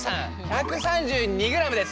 １３２ｇです。